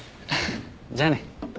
じゃあね。